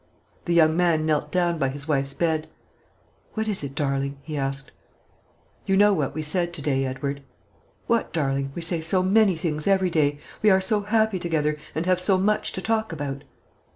The young man knelt down by his wife's bed. "What is it, darling?" he asked. "You know what we said to day, Edward?" "What, darling? We say so many things every day we are so happy together, and have so much to talk about."